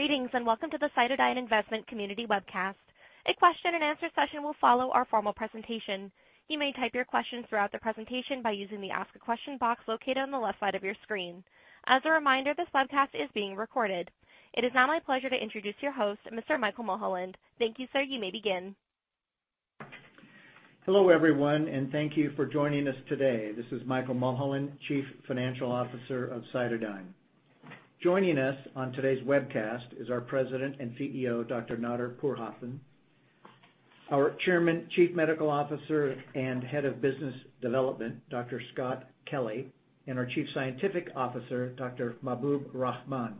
Greetings, welcome to the CytoDyn Investment Community Webcast. A question and answer session will follow our formal presentation. You may type your questions throughout the presentation by using the Ask a Question box located on the left side of your screen. As a reminder, this webcast is being recorded. It is now my pleasure to introduce your host, Mr. Michael Mulholland. Thank you, sir. You may begin. Hello, everyone, and thank you for joining us today. This is Michael Mulholland, Chief Financial Officer of CytoDyn. Joining us on today's webcast is our President and CEO, Dr. Nader Pourhassan. Our Chairman, Chief Medical Officer, and Head of Business Development, Dr. Scott Kelly, and our Chief Scientific Officer, Dr. Mahboob Rahman.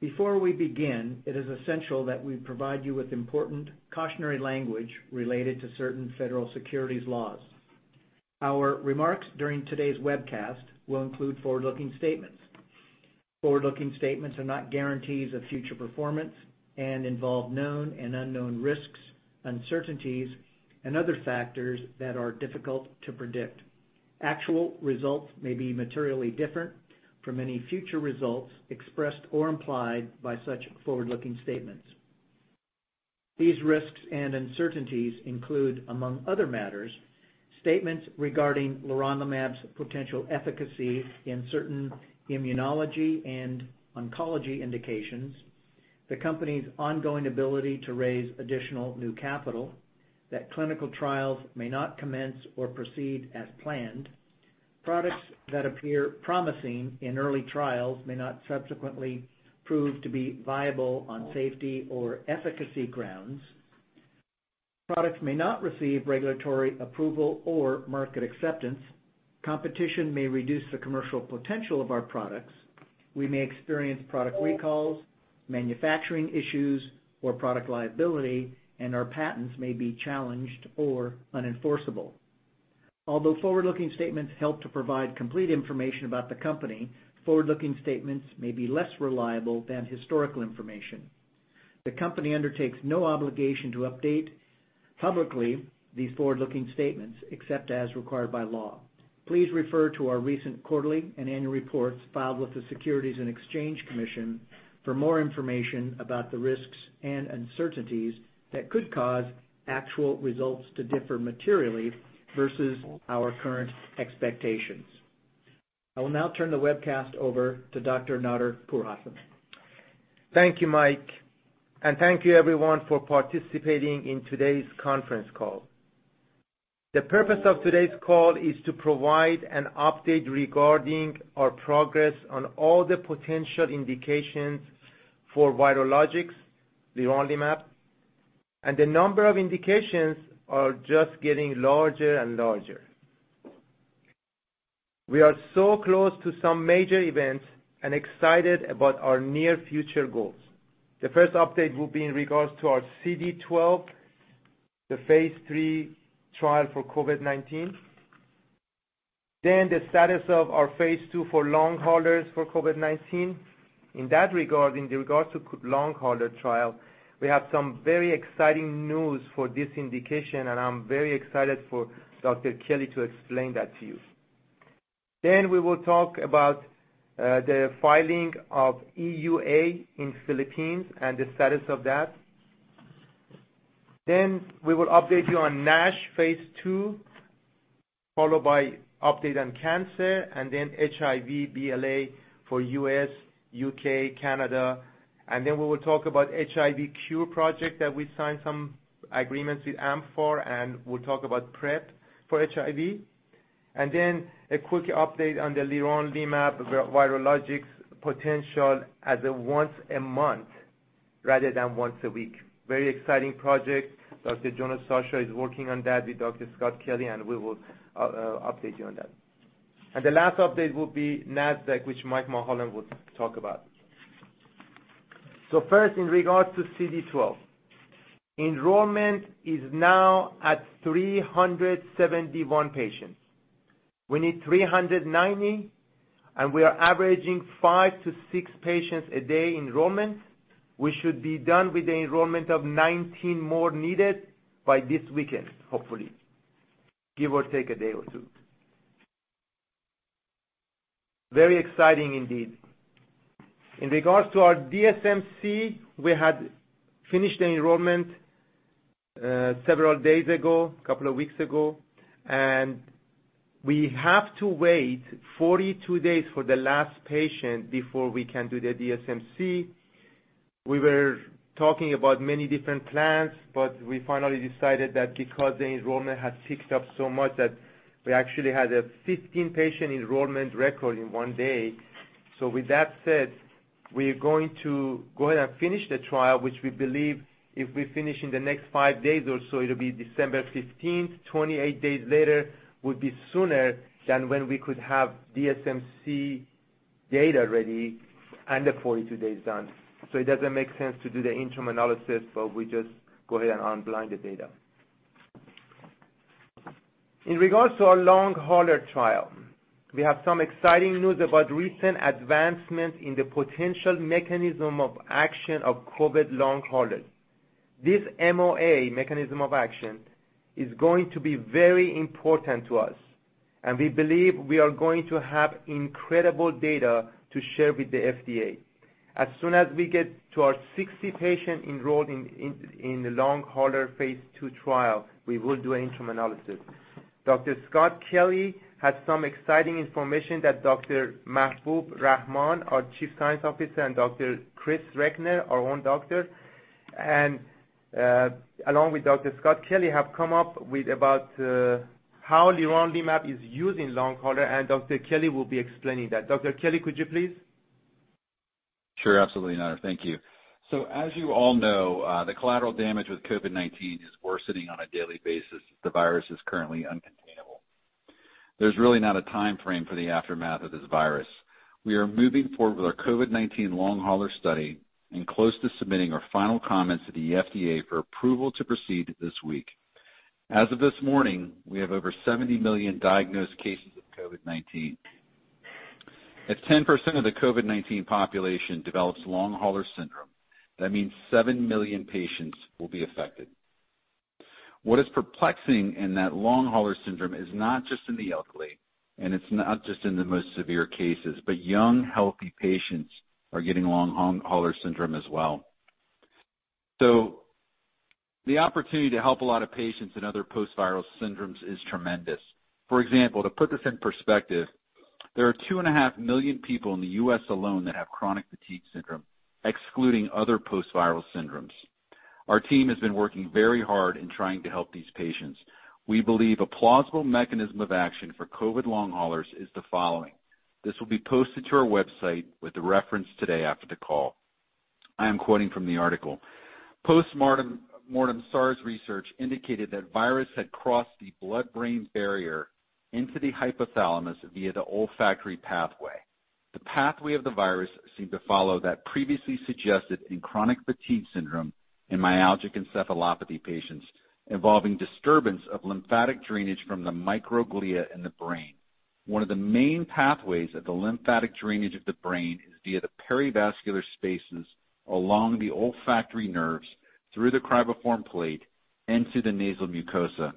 Before we begin, it is essential that we provide you with important cautionary language related to certain federal securities laws. Our remarks during today's webcast will include forward-looking statements. Forward-looking statements are not guarantees of future performance and involve known and unknown risks, uncertainties, and other factors that are difficult to predict. Actual results may be materially different from any future results expressed or implied by such forward-looking statements. These risks and uncertainties include, among other matters, statements regarding leronlimab's potential efficacy in certain immunology and oncology indications, the company's ongoing ability to raise additional new capital, that clinical trials may not commence or proceed as planned. Products that appear promising in early trials may not subsequently prove to be viable on safety or efficacy grounds. Products may not receive regulatory approval or market acceptance. Competition may reduce the commercial potential of our products. We may experience product recalls, manufacturing issues, or product liability, and our patents may be challenged or unenforceable. Although forward-looking statements help to provide complete information about the company, forward-looking statements may be less reliable than historical information. The company undertakes no obligation to update publicly these forward-looking statements, except as required by law. Please refer to our recent quarterly and annual reports filed with the Securities and Exchange Commission for more information about the risks and uncertainties that could cause actual results to differ materially versus our current expectations. I will now turn the webcast over to Dr. Nader Pourhassan. Thank you, Mike, and thank you everyone for participating in today's conference call. The purpose of today's call is to provide an update regarding our progress on all the potential indications for Vyrologix leronlimab, the number of indications are just getting larger and larger. We are so close to some major events and excited about our near future goals. The first update will be in regards to our CD12, the phase III trial for COVID-19. The status of our phase II for long haulers for COVID-19. In that regard, in regards to long hauler trial, we have some very exciting news for this indication, I'm very excited for Dr. Kelly to explain that to you. We will talk about the filing of EUA in Philippines and the status of that. We will update you on NASH phase II, followed by update on cancer and HIV BLA for U.S., U.K., Canada. We will talk about HIV cure project that we signed some agreements with amfAR, and we will talk about PrEP for HIV. A quick update on the leronlimab Vyrologix potential as a once-a-month rather than once a week. Very exciting project. Dr. Jonah Sacha is working on that with Dr. Scott Kelly, and we will update you on that. The last update will be Nasdaq, which Michael Mulholland will talk about. First, in regards to CD12. Enrollment is now at 371 patients. We need 390, and we are averaging five to six patients a day enrollment. We should be done with the enrollment of 19 more needed by this weekend, hopefully. Give or take a day or two. Very exciting indeed. In regards to our DSMC, we had finished the enrollment, several days ago, a couple of weeks ago, and we have to wait 42 days for the last patient before we can do the DSMC. We were talking about many different plans, we finally decided that because the enrollment has picked up so much that we actually had a 15 patient enrollment record in one day. With that said, we are going to go ahead and finish the trial, which we believe if we finish in the next five days or so, it'll be December 15th. 28 days later would be sooner than when we could have DSMC data ready and the 42 days done. It doesn't make sense to do the interim analysis but we just go ahead and unblind the data. In regards to our long hauler trial, we have some exciting news about recent advancements in the potential mechanism of action of COVID-19 long haulers. This MOA, mechanism of action, is going to be very important to us, and we believe we are going to have incredible data to share with the FDA. As soon as we get to our 60 patients enrolled in the long hauler phase II trial, we will do an interim analysis. Dr. Scott Kelly has some exciting information that Dr. Mahfouz Rahman, our Chief Scientific Officer, and Dr. Chris Recknor, our own doctor, and along with Dr. Scott Kelly, have come up with about how leronlimab is used in long hauler, and Dr. Kelly will be explaining that. Dr. Kelly, could you please? Sure. Absolutely, Nader. Thank you. As you all know, the collateral damage with COVID-19 is worsening on a daily basis. The virus is currently uncontainable. There's really not a timeframe for the aftermath of this virus. We are moving forward with our COVID-19 long hauler study and close to submitting our final comments to the FDA for approval to proceed this week. As of this morning, we have over 70 million diagnosed cases of COVID-19. If 10% of the COVID-19 population develops long hauler syndrome, that means 7 million patients will be affected. What is perplexing in that long hauler syndrome is not just in the elderly, and it's not just in the most severe cases, but young, healthy patients are getting long hauler syndrome as well. The opportunity to help a lot of patients in other post-viral syndromes is tremendous. For example, to put this in perspective, there are 2,500,000 people in the U.S. alone that have chronic fatigue syndrome, excluding other post-viral syndromes. Our team has been working very hard in trying to help these patients. We believe a plausible mechanism of action for COVID-19 long haulers is the following. This will be posted to our website with the reference today after the call. I am quoting from the article. "Postmortem SARS research indicated that virus had crossed the blood-brain barrier into the hypothalamus via the olfactory pathway. The pathway of the virus seemed to follow that previously suggested in chronic fatigue syndrome in myalgic encephalopathy patients, involving disturbance of lymphatic drainage from the microglia in the brain. One of the main pathways of the lymphatic drainage of the brain is via the perivascular spaces along the olfactory nerves through the cribriform plate into the nasal mucosa.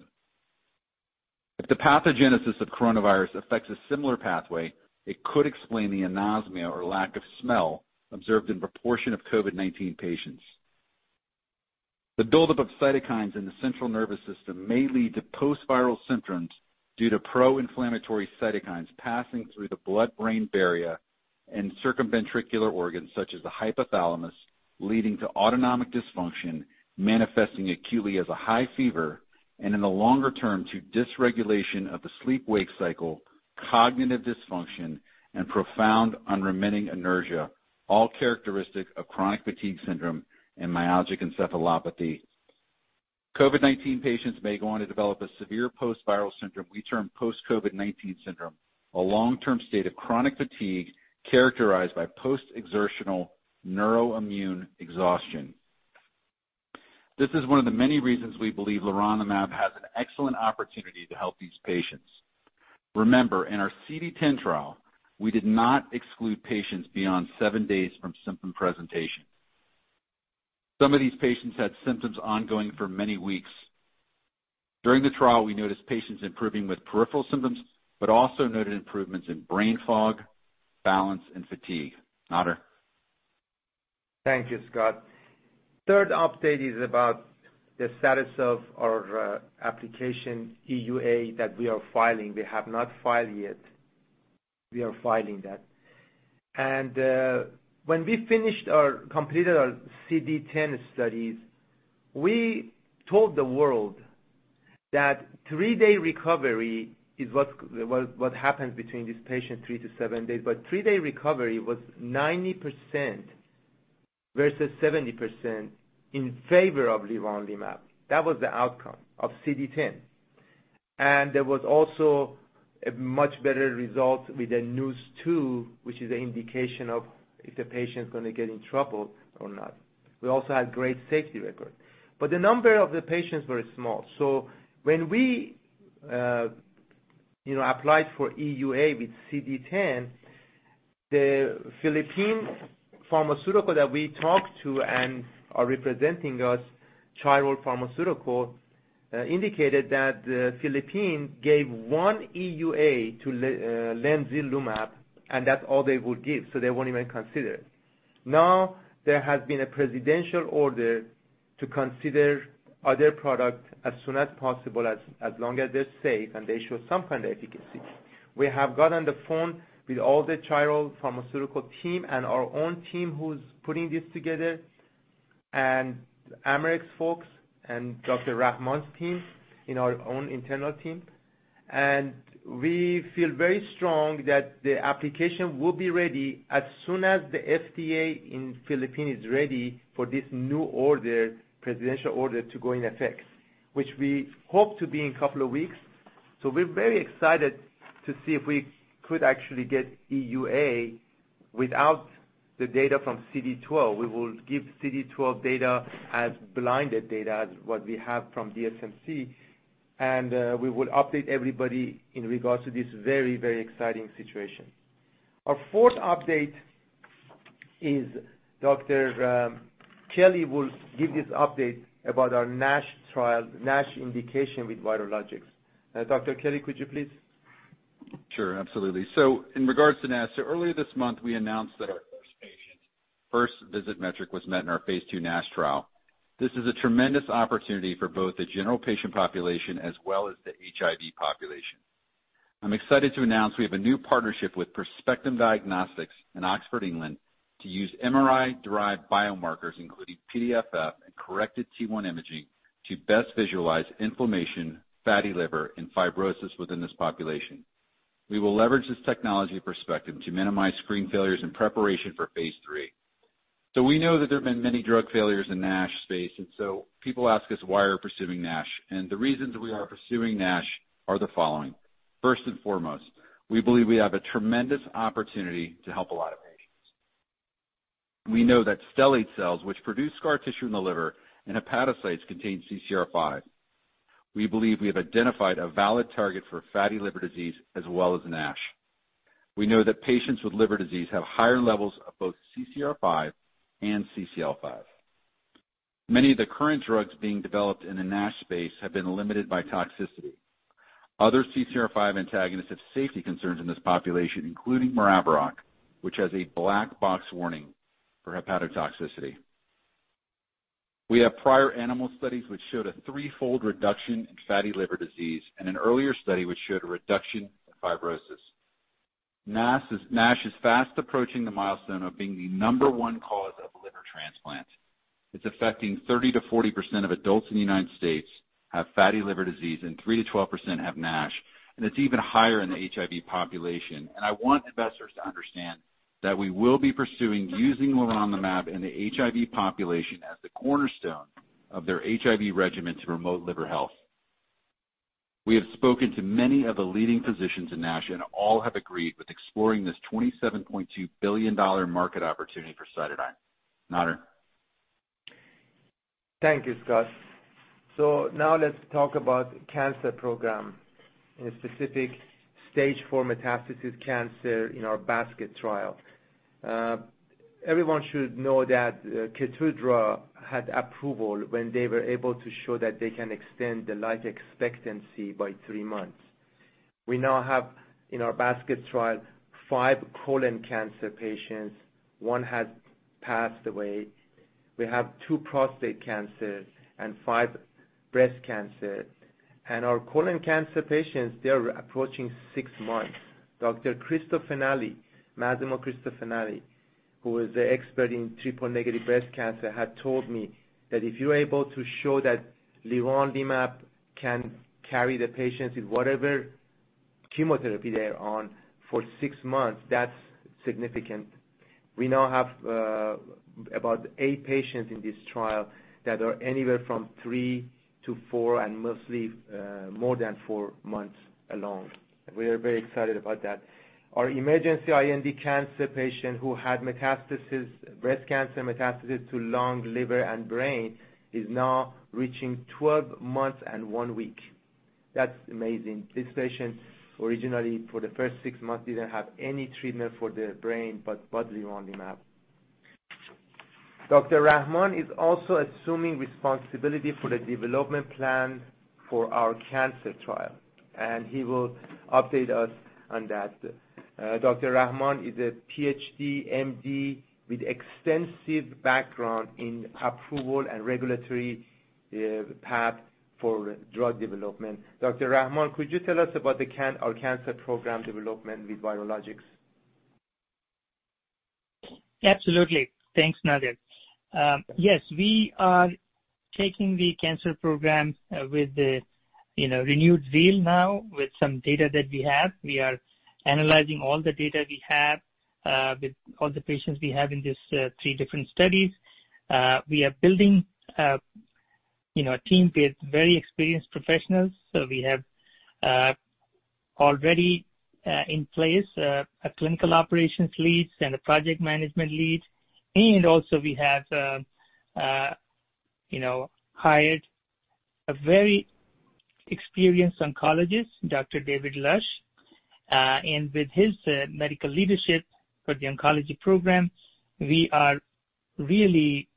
If the pathogenesis of coronavirus affects a similar pathway, it could explain the anosmia or lack of smell observed in proportion of COVID-19 patients. The buildup of cytokines in the central nervous system may lead to post-viral syndromes due to pro-inflammatory cytokines passing through the blood-brain barrier and circumventricular organs such as the hypothalamus, leading to autonomic dysfunction manifesting acutely as a high fever, and in the longer term to dysregulation of the sleep-wake cycle, cognitive dysfunction, and profound unremitting inertia, all characteristic of chronic fatigue syndrome and myalgic encephalopathy. COVID-19 patients may go on to develop a severe post-viral syndrome we term post-COVID-19 syndrome, a long-term state of chronic fatigue characterized by post-exertional neuroimmune exhaustion. This is one of the many reasons we believe leronlimab has an excellent opportunity to help these patients. Remember, in our CD10 trial, we did not exclude patients beyond seven days from symptom presentation. Some of these patients had symptoms ongoing for many weeks. During the trial, we noticed patients improving with peripheral symptoms, but also noted improvements in brain fog, balance, and fatigue. Nader. Thank you, Scott. Third update is about the status of our application EUA that we are filing. We have not filed yet. We are filing that. When we completed our CD10 studies, we told the world that three-day recovery is what happened between this patient, three to seven days, three-day recovery was 90% versus 70% in favor of leronlimab. That was the outcome of CD10. There was also a much better result with the NEWS2, which is an indication of if the patient's going to get in trouble or not. We also had great safety record. The number of the patients were small. When we applied for EUA with CD10, the Philippine pharmaceutical that we talked to and are representing us, Chiral Pharmaceutical, indicated that the Philippine gave one EUA to lenzilumab, that's all they would give. They won't even consider it. Now, there has been a presidential order to consider other product as soon as possible, as long as they're safe and they show some kind of efficacy. We have got on the phone with all the Chiral Pharmaceutical team and our own team who's putting this together, and Amarex folks and Dr. Rahman's team in our own internal team. We feel very strong that the application will be ready as soon as the FDA in Philippines is ready for this new presidential order to go in effect, which we hope to be in a couple of weeks. We're very excited to see if we could actually get EUA without the data from CD12. We will give CD12 data as blinded data as what we have from DSMC. We will update everybody in regards to this very exciting situation. Our fourth update is Dr. Kelly will give this update about our NASH trial, NASH indication with Vyrologix. Dr. Kelly, could you please? Sure, absolutely. In regards to NASH, earlier this month, we announced that our first patient first visit metric was met in our Phase II NASH trial. This is a tremendous opportunity for both the general patient population as well as the HIV population. I'm excited to announce we have a new partnership with Perspectum Diagnostics in Oxford, England, to use MRI-derived biomarkers, including PDFF and corrected T1 imaging, to best visualize inflammation, fatty liver, and fibrosis within this population. We will leverage this technology perspective to minimize screen failures in preparation for Phase III. We know that there have been many drug failures in NASH space, and so people ask us why we're pursuing NASH. The reasons we are pursuing NASH are the following. First and foremost, we believe we have a tremendous opportunity to help a lot of patients. We know that stellate cells, which produce scar tissue in the liver and hepatocytes contain CCR5. We believe we have identified a valid target for fatty liver disease as well as NASH. We know that patients with liver disease have higher levels of both CCR5 and CCL5. Many of the current drugs being developed in the NASH space have been limited by toxicity. Other CCR5 antagonists have safety concerns in this population, including maraviroc, which has a black box warning for hepatotoxicity. We have prior animal studies which showed a 3x reduction in fatty liver disease and an earlier study which showed a reduction in fibrosis. NASH is fast approaching the milestone of being the number one cause of liver transplant. It's affecting 30%-40% of adults in the U.S. have fatty liver disease and 3%-12% have NASH, and it's even higher in the HIV population. I want investors to understand that we will be pursuing using leronlimab in the HIV population as the cornerstone of their HIV regimen to promote liver health. We have spoken to many of the leading physicians in NASH, all have agreed with exploring this $27.2 billion market opportunity for CytoDyn. Nader. Thank you, Scott. Now let's talk about cancer program in a specific stage four metastasis cancer in our basket trial. Everyone should know that KEYTRUDA had approval when they were able to show that they can extend the life expectancy by three months. We now have in our basket trial five colon cancer patients. One has passed away. We have two prostate cancer and five breast cancer. Our colon cancer patients, they're approaching six months. Dr. Cristofanilli, Massimo Cristofanilli, who is the expert in triple-Negative Breast Cancer, had told me that if you are able to show that leronlimab can carry the patients with whatever chemotherapy they're on for six months, that's significant. We now have about eight patients in this trial that are anywhere from three to four and mostly, more than four months along. We are very excited about that. Our emergency IND cancer patient who had metastasis breast cancer metastasis to lung, liver, and brain, is now reaching 12 months and one week. That's amazing. This patient originally for the first six months didn't have any treatment for the brain, but leronlimab. Dr. Rahman is also assuming responsibility for the development plan for our cancer trial, and he will update us on that. Dr. Rahman is a PhD, MD with extensive background in approval and regulatory path for drug development. Dr. Rahman, could you tell us about our cancer program development with Vyrologix? Absolutely. Thanks, Nader. Yes, we are taking the cancer program with a renewed zeal now with some data that we have. We are analyzing all the data we have, with all the patients we have in these three different studies. We are building a team with very experienced professionals. We have already in place a Clinical Operations leads and a project management lead, and also we have hired a very experienced oncologist, Dr. David Lush. With his medical leadership for the oncology program, we are really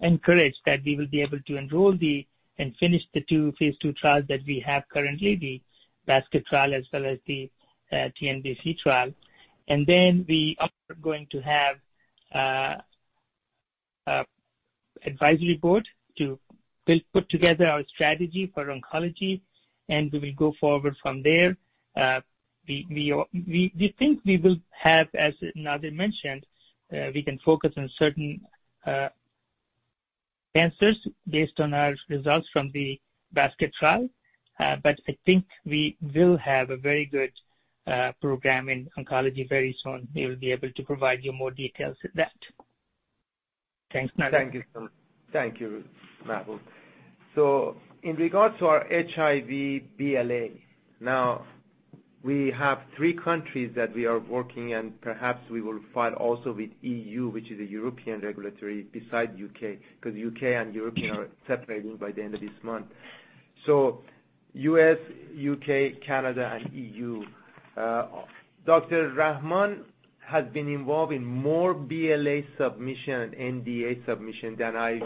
encouraged that we will be able to enroll the, and finish the two phase II trials that we have currently, the basket trial as well as the TNBC trial. Then we are going to have advisory board to build, put together our strategy for oncology, and we will go forward from there. We think we will have, as Nader mentioned, we can focus on certain cancers based on our results from the basket trial. I think we will have a very good program in oncology very soon. We will be able to provide you more details with that. Thanks, Nader. Thank you. Thank you, Mahboob. In regards to our HIV BLA, now we have three countries that we are working in. Perhaps we will file also with EU, which is a European regulatory besides U.K., because U.K. and European are separating by the end of this month. U.S., U.K., Canada, and EU. Dr. Rahman has been involved in more BLA submission and NDA submission than I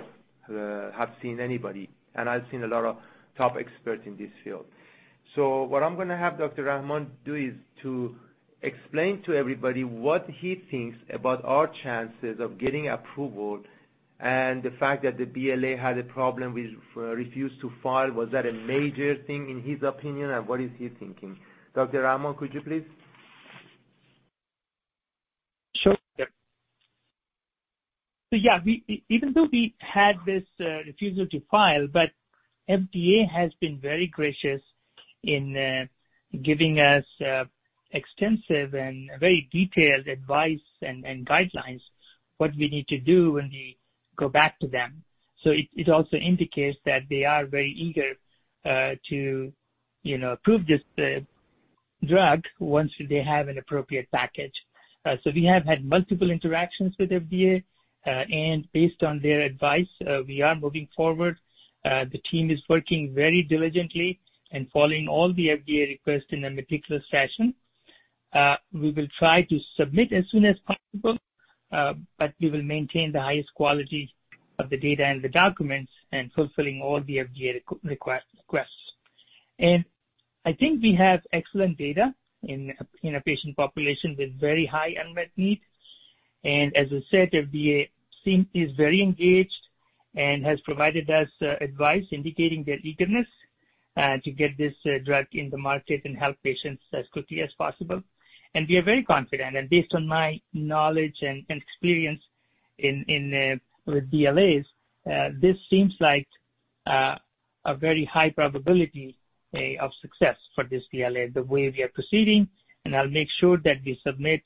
have seen anybody, and I've seen a lot of top experts in this field. What I'm going to have Dr. Rahman do is to explain to everybody what he thinks about our chances of getting approval and the fact that the BLA had a problem with Refuse to File. Was that a major thing in his opinion, and what is he thinking? Dr. Rahman, could you please? Sure. Yeah, even though we had this refusal to file, FDA has been very gracious in giving us extensive and very detailed advice and guidelines, what we need to do when we go back to them. It also indicates that they are very eager to approve this drug once they have an appropriate package. We have had multiple interactions with FDA. Based on their advice, we are moving forward. The team is working very diligently and following all the FDA requests in a meticulous fashion. We will try to submit as soon as possible, but we will maintain the highest quality of the data and the documents and fulfilling all the FDA requests. I think we have excellent data in a patient population with very high unmet need. As I said, FDA is very engaged and has provided us advice indicating their eagerness to get this drug in the market and help patients as quickly as possible. We are very confident. Based on my knowledge and experience with BLAs, this seems like a very high probability of success for this BLA, the way we are proceeding. I'll make sure that we submit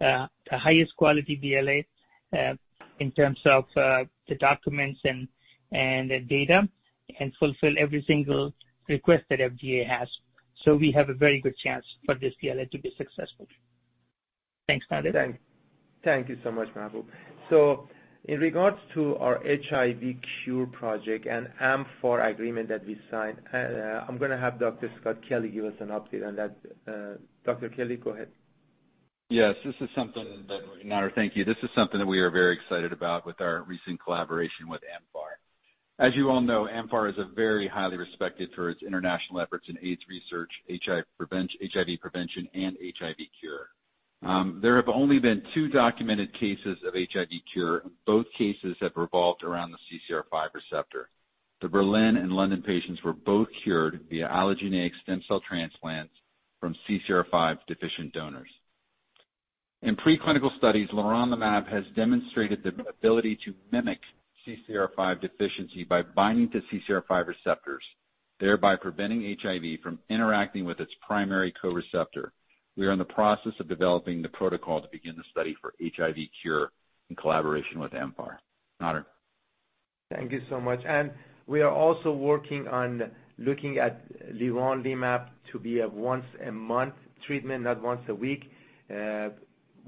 the highest quality BLA in terms of the documents and the data and fulfill every single request that FDA has. We have a very good chance for this BLA to be successful. Thanks, Nader. Thank you so much, Mahbub. In regards to our HIV cure project and amfAR agreement that we signed, I'm going to have Dr. Scott Kelly give us an update on that. Dr. Kelly, go ahead. Yes. Nader, thank you. This is something that we are very excited about with our recent collaboration with amfAR. As you all know, amfAR is very highly respected for its international efforts in AIDS research, HIV prevention, and HIV cure. There have only been two documented cases of HIV cure. Both cases have revolved around the CCR5 receptor. The Berlin and London patients were both cured via allogeneic stem cell transplants from CCR5 deficient donors. In preclinical studies, leronlimab has demonstrated the ability to mimic CCR5 deficiency by binding to CCR5 receptors, thereby preventing HIV from interacting with its primary co-receptor. We are in the process of developing the protocol to begin the study for HIV cure in collaboration with amfAR. Nader. Thank you so much. We are also working on looking at leronlimab to be a once-a-month treatment, not once a week.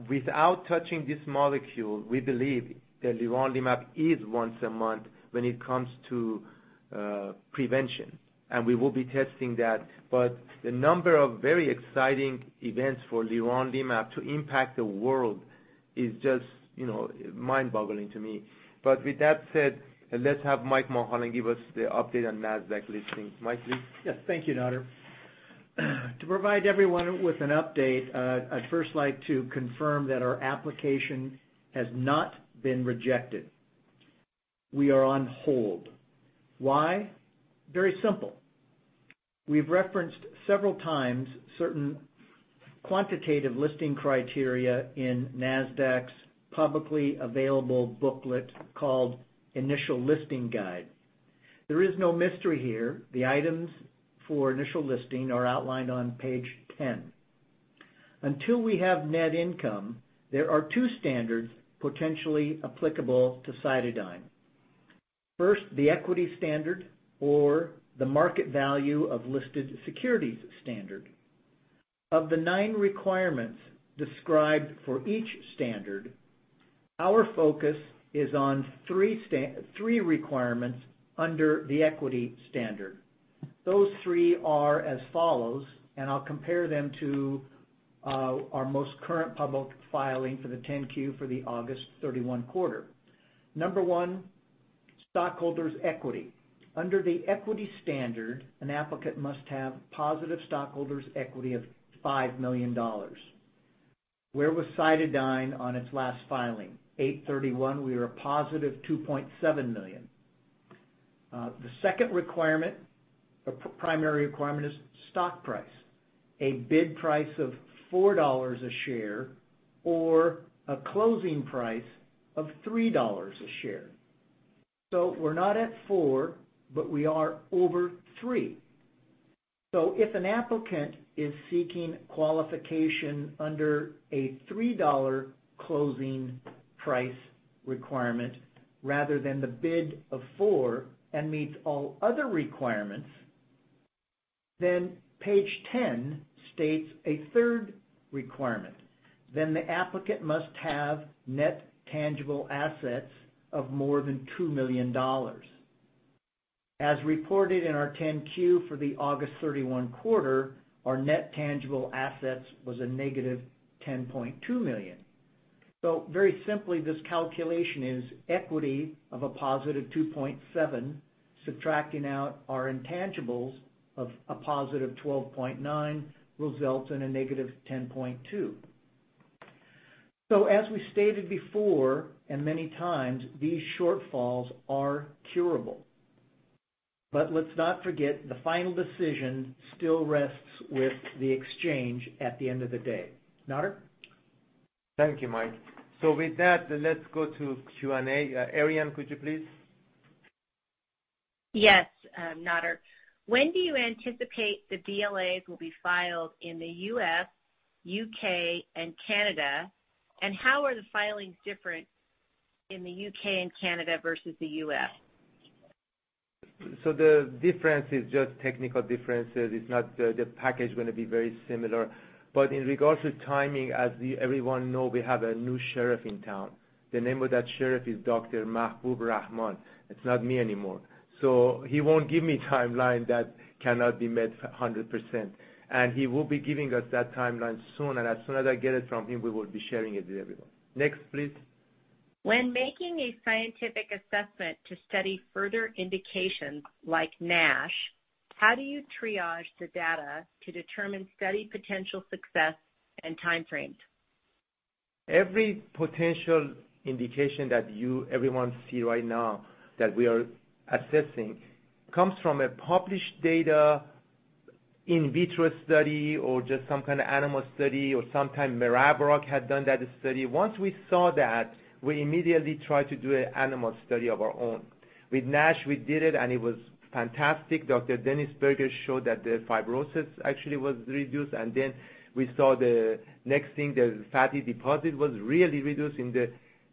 Without touching this molecule, we believe that leronlimab is once-a-month when it comes to prevention. We will be testing that. The number of very exciting events for leronlimab to impact the world is just mind-boggling to me. With that said, let's have Mike Mulholland give us the update on Nasdaq listings. Mike, please. Thank you, Nader. To provide everyone with an update, I'd first like to confirm that our application has not been rejected. We are on hold. Why? Very simple. We've referenced several times certain quantitative listing criteria in Nasdaq's publicly available booklet called Initial Listing Guide. There is no mystery here. The items for initial listing are outlined on page 10. Until we have net income, there are two standards potentially applicable to CytoDyn. First, the equity standard or the market value of listed securities standard. Of the nine requirements described for each standard, our focus is on three requirements under the equity standard. Those three are as follows, and I'll compare them to our most current public filing for the 10-Q for the August 31 quarter. Number one, stockholders' equity. Under the equity standard, an applicant must have positive stockholders' equity of $5 million. Where was CytoDyn on its last filing? August 31st, we were a positive $2.7 million. The second requirement or primary requirement is stock price, a bid price of $4 a share or a closing price of $3 a share. We're not at four, but we are over three. If an applicant is seeking qualification under a $3 closing price requirement rather than the bid of $4 and meets all other requirements, page 10 states a third requirement. The applicant must have net tangible assets of more than $2 million. As reported in our 10-Q for the August 31 quarter, our net tangible assets was a negative $10.2 million. Very simply, this calculation is equity of a positive $2.7, subtracting out our intangibles of a positive $12.9 results in a negative $10.2. As we stated before, and many times, these shortfalls are curable. Let's not forget the final decision still rests with the exchange at the end of the day. Nader? Thank you, Mike. With that, let's go to Q&A. Ariane, could you please? Yes. Nader, when do you anticipate the BLAs will be filed in the U.S., U.K., and Canada, and how are the filings different in the U.K. and Canada versus the U.S.? The difference is just technical differences. The package is going to be very similar. In regards to timing, as everyone know, we have a new sheriff in town. The name of that sheriff is Dr. Mahbub Rahman. It's not me anymore. He won't give me timeline that cannot be met 100%, and he will be giving us that timeline soon. As soon as I get it from him, we will be sharing it with everyone. Next, please. When making a scientific assessment to study further indications like NASH, how do you triage the data to determine study potential success and time frames? Every potential indication that everyone see right now that we are assessing comes from a published data in vitro study or just some kind of animal study, or sometime maraviroc had done that study. Once we saw that, we immediately tried to do an animal study of our own. With NASH, we did it, and it was fantastic. Dr. Denis Burger showed that the fibrosis actually was reduced. We saw the next thing, the fatty deposit was really reduced.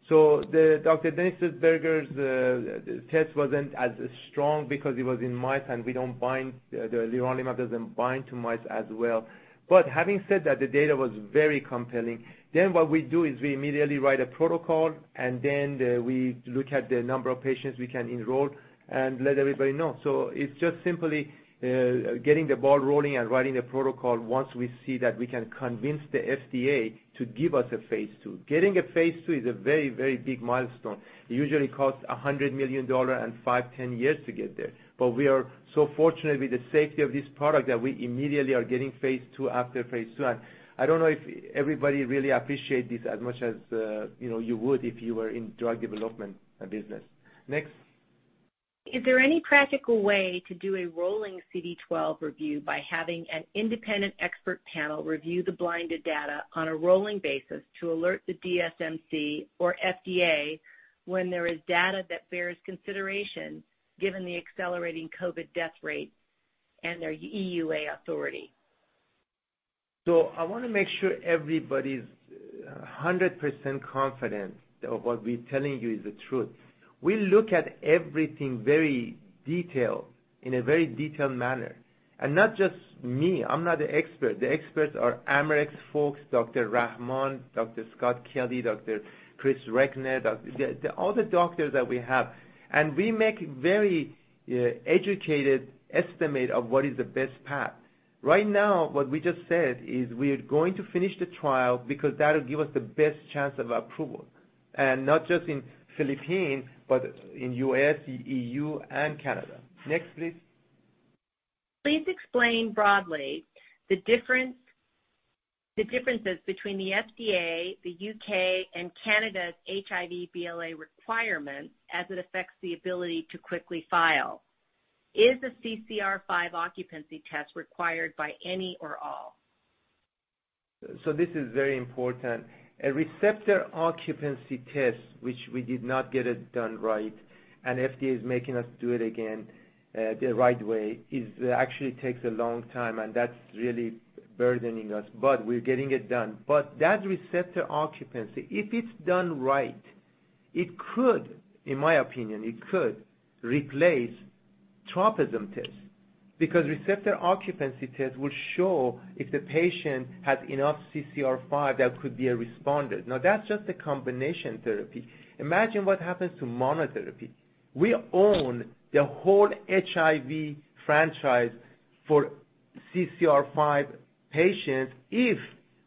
Dr. Denis Burger's test wasn't as strong because it was in mice, and we don't bind, the leronlimab doesn't bind to mice as well. Having said that, the data was very compelling. What we do is we immediately write a protocol, and then we look at the number of patients we can enroll and let everybody know. It's just simply getting the ball rolling and writing the protocol once we see that we can convince the FDA to give us a phase II. Getting a phase II is a very, very big milestone. It usually costs $100 million and 5-10 years to get there. We are so fortunate with the safety of this product that we immediately are getting phase II after phase II. I don't know if everybody really appreciate this as much as you would if you were in drug development business. Next. Is there any practical way to do a rolling CD12 review by having an independent expert panel review the blinded data on a rolling basis to alert the DSMC or FDA when there is data that bears consideration, given the accelerating COVID death rate and their EUA authority? I want to make sure everybody's 100% confident of what we're telling you is the truth. We look at everything very detailed, in a very detailed manner. Not just me, I'm not the expert. The experts are Amarex folks, Dr. Rahman, Dr. Scott Kelly, Dr. Chris Recknor, all the doctors that we have. We make very educated estimate of what is the best path. Right now, what we just said is we're going to finish the trial because that'll give us the best chance of approval. Not just in Philippines, but in U.S., EU, and Canada. Next, please. Please explain broadly the differences between the FDA, the U.K., and Canada's HIV BLA requirements as it affects the ability to quickly file. Is the CCR5 occupancy test required by any or all? This is very important. A receptor occupancy test, which we did not get it done right, and FDA is making us do it again the right way, is actually takes a long time, and that's really burdening us, but we're getting it done. That receptor occupancy, if it's done right, it could, in my opinion, it could replace tropism test, because receptor occupancy test will show if the patient has enough CCR5 that could be a responder. That's just a combination therapy. Imagine what happens to monotherapy. We own the whole HIV franchise for CCR5 patients if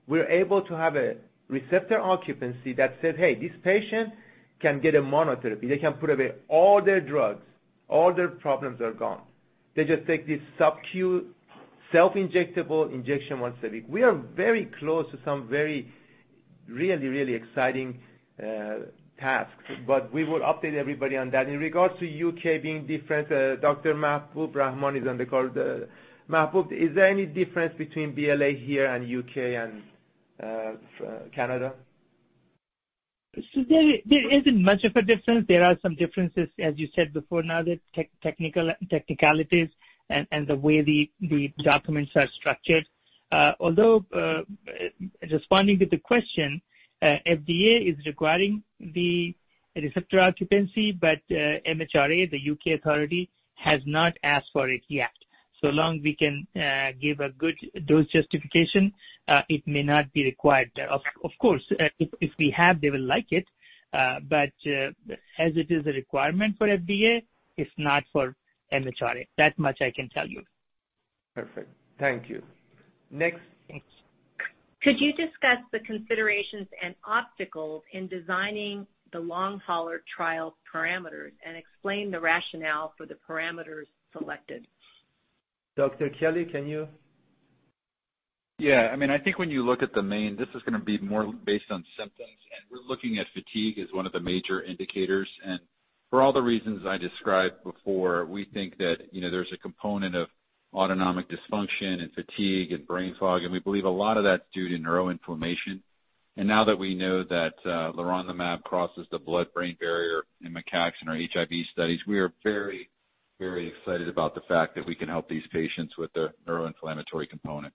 we're able to have a receptor occupancy that said, "Hey, this patient can get a monotherapy." They can put away all their drugs, all their problems are gone. They just take this sub-Q self-injectable injection once a week. We are very close to some very really exciting tasks, but we will update everybody on that. In regards to U.K. being different, Dr. Mahbub Rahman is on the call. Mahbub, is there any difference between BLA here and U.K. and Canada? There isn't much of a difference. There are some differences, as you said before, Nader, technicalities and the way the documents are structured. Responding to the question, FDA is requiring the receptor occupancy, but MHRA, the UK authority, has not asked for it yet. Long we can give a good dose justification, it may not be required. Of course, if we have, they will like it. As it is a requirement for FDA, it's not for MHRA. That much I can tell you. Perfect. Thank you. Next. Thanks. Could you discuss the considerations and obstacles in designing the long hauler trial parameters and explain the rationale for the parameters selected? Dr. Kelly, can you? Yeah. I think when you look at the main, this is going to be more based on symptoms, and we're looking at fatigue as one of the major indicators. For all the reasons I described before, we think that there's a component of autonomic dysfunction and fatigue and brain fog, and we believe a lot of that is due to neuroinflammation. Now that we know that leronlimab crosses the blood-brain barrier in macaques in our HIV studies, we are very excited about the fact that we can help these patients with the neuroinflammatory component.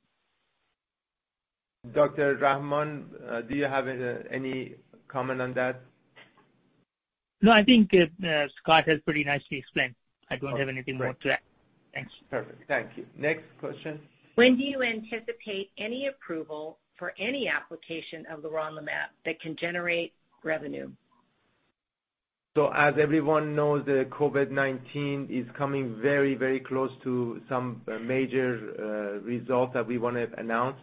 Dr. Rahman, do you have any comment on that? No, I think Scott has pretty nicely explained. I don't have anything more to add. Thanks. Perfect. Thank you. Next question. When do you anticipate any approval for any application of leronlimab that can generate revenue? As everyone knows, the COVID-19 is coming very close to some major result that we want to announce.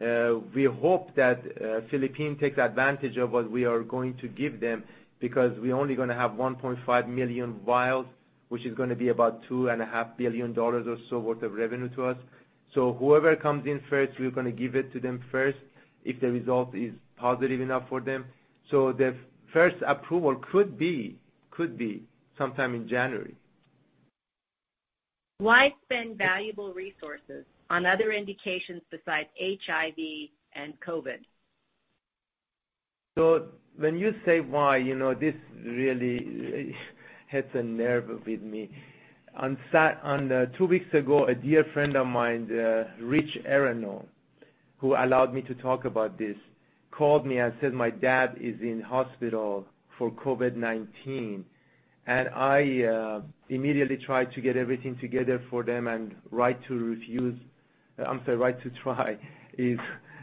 We hope that Philippine takes advantage of what we are going to give them because we're only going to have 1.5 million vials, which is going to be about $2.5 Billion or so worth of revenue to us. Whoever comes in first, we're going to give it to them first if the result is positive enough for them. The first approval could be sometime in January. Why spend valuable resources on other indications besides HIV and COVID? When you say why, this really hits a nerve with me. 2 weeks ago, a dear friend of mine, Richard Aronow, who allowed me to talk about this, called me and said, "My dad is in hospital for COVID-19." I immediately tried to get everything together for them and Right to Refuse, I'm sorry, Right to Try is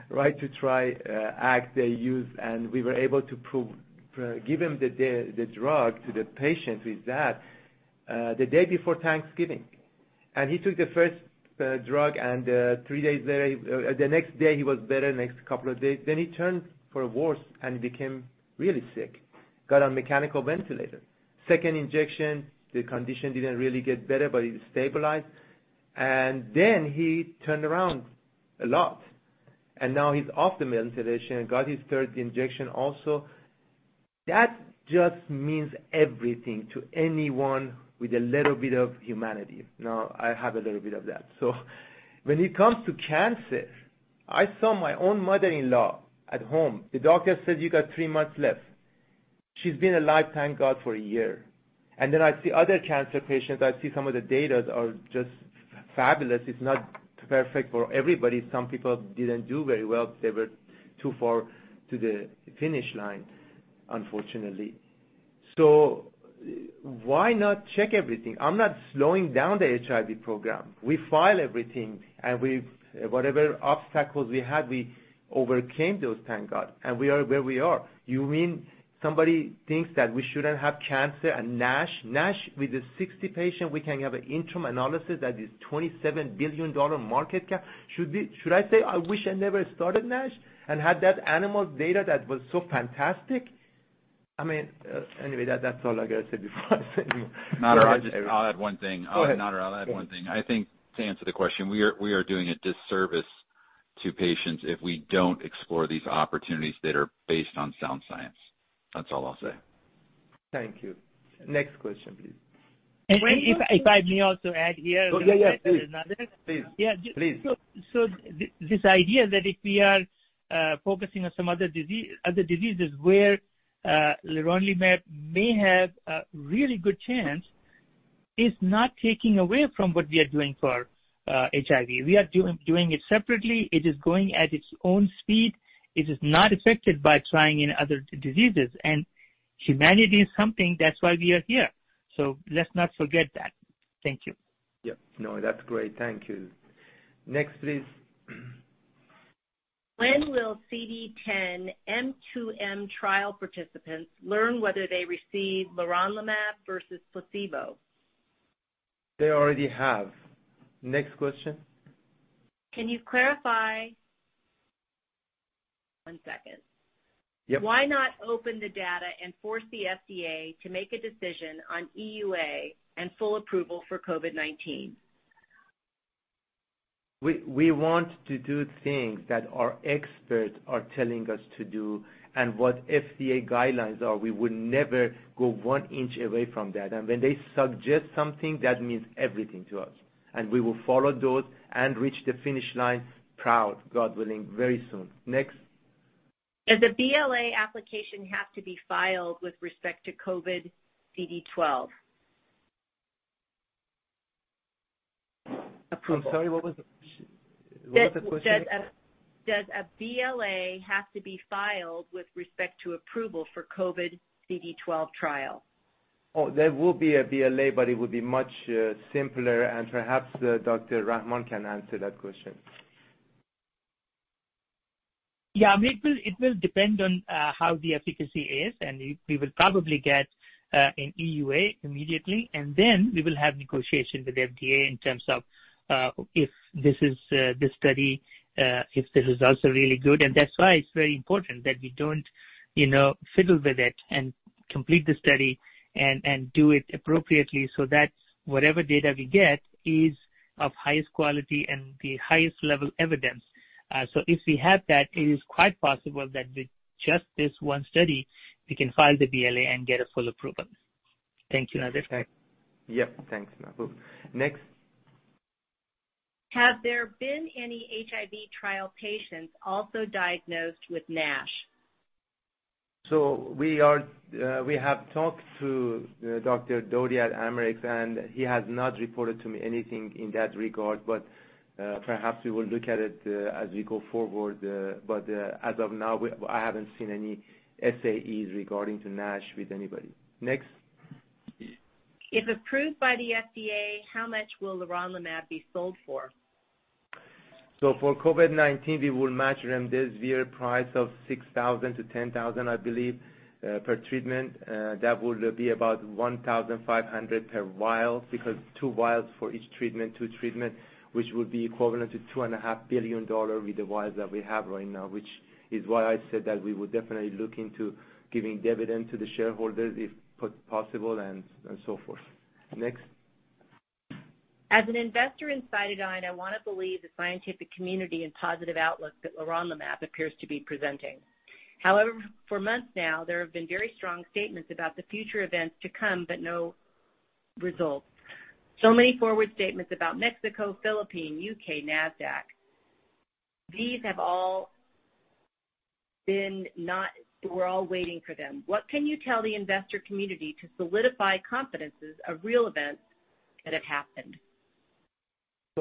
Right to Try Act they use, and we were able to give him the drug to the patient with that the day before Thanksgiving. He took the first drug and the next day he was better, next couple of days. He turned for worse and became really sick. Got on mechanical ventilator. Second injection, the condition didn't really get better, but it stabilized. Then he turned around a lot, and now he's off the ventilation, got his third injection also. That just means everything to anyone with a little bit of humanity. I have a little bit of that. When it comes to cancer, I saw my own mother-in-law at home. The doctor said, "You got three months left." She's been alive, thank God, for a year. Then I see other cancer patients. I see some of the data are just fabulous. It's not perfect for everybody. Some people didn't do very well. They were too far to the finish line, unfortunately. Why not check everything? I'm not slowing down the HIV program. We file everything, and whatever obstacles we had, we overcame those, thank God. We are where we are. You mean somebody thinks that we shouldn't have cancer and NASH? NASH with the 60 patient, we can have an interim analysis that is $27 billion market cap. Should I say I wish I never started NASH and had that animal data that was so fantastic? That's all I got to say before I say any more. Nader, I'll add one thing. Go ahead. Nader, I'll add one thing. I think to answer the question, we are doing a disservice to patients if we don't explore these opportunities that are based on sound science. That's all I'll say. Thank you. Next question, please. If I may also add here. Oh, yeah. Please. This idea that if we are focusing on some other diseases where leronlimab may have a really good chance, is not taking away from what we are doing for HIV. We are doing it separately. It is going at its own speed. It is not affected by trying in other diseases. Humanity is something, that's why we are here. Let's not forget that. Thank you. Yeah. No, that's great. Thank you. Next, please. When will CD10 M2M trial participants learn whether they received leronlimab versus placebo? They already have. Next question. Can you clarify one second? Yep. Why not open the data and force the FDA to make a decision on EUA and full approval for COVID-19? We want to do things that our experts are telling us to do and what FDA guidelines are. We would never go one inch away from that. When they suggest something, that means everything to us. We will follow those and reach the finish line proud, God willing, very soon. Next. Does a BLA application have to be filed with respect to COVID CD12? Approved. Sorry, what was the question? Does a BLA have to be filed with respect to approval for COVID CD12 trial? Oh, there will be a BLA, but it will be much simpler, and perhaps Dr. Rahman can answer that question. Yeah. It will depend on how the efficacy is, and we will probably get an EUA immediately, and then we will have negotiations with FDA in terms of if the results are really good. That is why it is very important that we don't fiddle with it and complete the study and do it appropriately, so that whatever data we get is of highest quality and the highest level evidence. If we have that, it is quite possible that with just this one study, we can file the BLA and get a full approval. Thank you, Nader. Yeah. Thanks, Mahbub. Next. Have there been any HIV trial patients also diagnosed with NASH? We have talked to Dr. Dody at Amarex, and he has not reported to me anything in that regard. Perhaps we will look at it as we go forward. As of now, I haven't seen any SAEs regarding to NASH with anybody. Next. If approved by the FDA, how much will leronlimab be sold for? For COVID-19, we will match remdesivir price of $6,000-$10,000, I believe, per treatment. That would be about $1,500 per vial because two vials for each treatment, two treatment, which would be equivalent to $2.5 billion with the vials that we have right now, which is why I said that we would definitely look into giving dividend to the shareholders if possible, and so forth. Next. As an investor in CytoDyn, I want to believe the scientific community and positive outlook that leronlimab appears to be presenting. For months now, there have been very strong statements about the future events to come, but no results. Many forward statements about Mexico, Philippines, U.K., Nasdaq. These have all been. We're all waiting for them. What can you tell the investor community to solidify confidences of real events that have happened?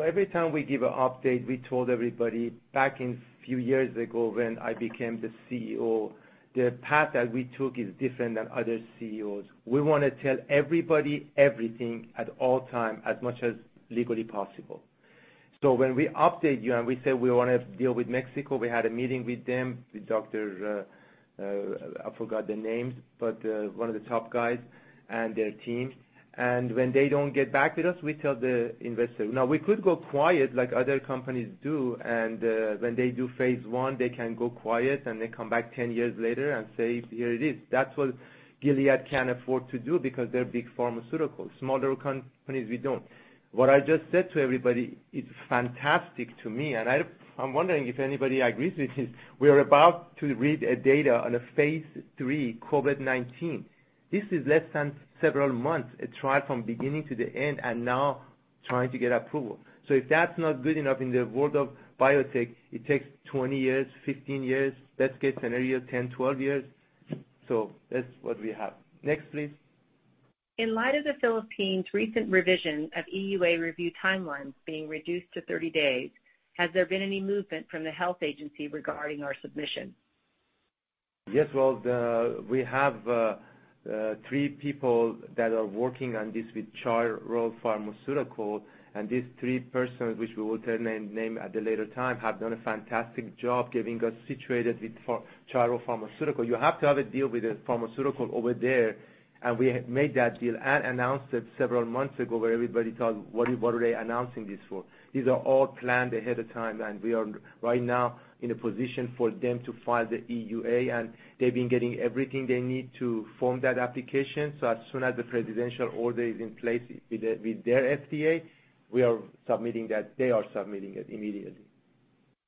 Every time we give an update, we told everybody back in few years ago when I became the CEO, the path that we took is different than other CEOs. We want to tell everybody everything at all time, as much as legally possible. When we update you and we say we want to deal with Mexico, we had a meeting with them, with doctor, I forgot the names, but one of the top guys and their team. When they don't get back with us, we tell the investor. Now, we could go quiet like other companies do, and when they do phase I, they can go quiet, and they come back 10 years later and say, "Here it is." That's what Gilead can afford to do because they're big pharmaceuticals. Smaller companies, we don't. What I just said to everybody is fantastic to me, and I'm wondering if anybody agrees with this. We're about to read a data on a phase III COVID-19. This is less than several months, a trial from beginning to the end, and now trying to get approval. If that's not good enough in the world of biotech, it takes 20 years, 15 years. Best case scenario, 10, 12 years. That's what we have. Next, please. In light of the Philippines recent revision of EUA review timelines being reduced to 30 days, has there been any movement from the health agency regarding our submission? Yes. Well, we have three people that are working on this with Chiral Pharmaceutical, and these three persons, which we will tell name at the later time, have done a fantastic job getting us situated with Chiral Pharmaceutical. You have to have a deal with a pharmaceutical over there, and we made that deal and announced it several months ago, where everybody thought, "What are they announcing this for?" These are all planned ahead of time, and we are right now in a position for them to file the EUA, and they've been getting everything they need to form that application. As soon as the presidential order is in place with their FDA, we are submitting that. They are submitting it immediately.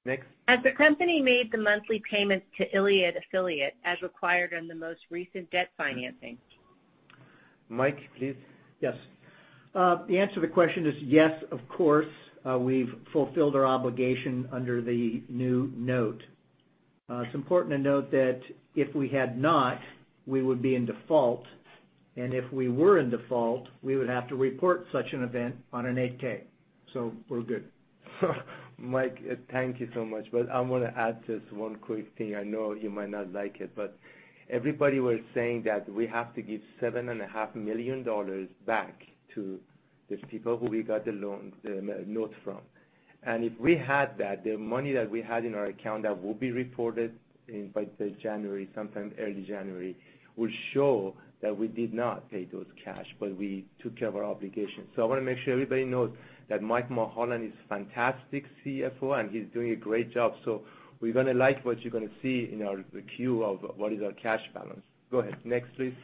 Next. Has the company made the monthly payments to Iliad affiliate as required on the most recent debt financing? Mike, please. Yes. The answer to the question is yes, of course. We've fulfilled our obligation under the new note. It's important to note that if we had not, we would be in default. If we were in default, we would have to report such an event on an 8-K. We're good. Mike, thank you so much. I want to add just one quick thing. I know you might not like it, everybody was saying that we have to give $7.5 million back to these people who we got the note from. If we had that, the money that we had in our account that will be reported by January, sometime early January, will show that we did not pay those cash, but we took care of our obligations. I want to make sure everybody knows that Mike Mulholland is fantastic CFO, and he's doing a great job. We're going to like what you're going to see in our 10-Q of what is our cash balance. Go ahead. Next, please.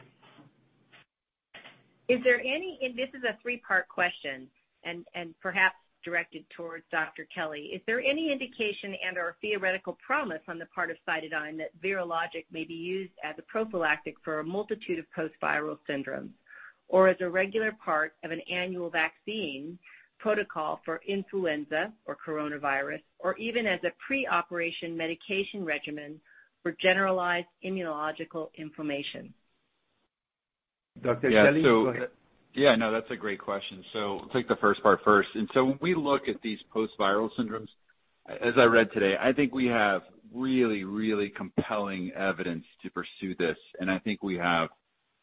Is there any, and this is a three-part question, and perhaps directed towards Dr. Kelly. Is there any indication and/or theoretical promise on the part of CytoDyn that Vyrologix may be used as a prophylactic for a multitude of post-viral syndromes, or as a regular part of an annual vaccine protocol for influenza or coronavirus, or even as a pre-operation medication regimen for generalized immunological inflammation? Dr. Kelly, go ahead. Yeah, no, that's a great question. I'll take the first part first. When we look at these post-viral syndromes, as I read today, I think we have really compelling evidence to pursue this, and I think we have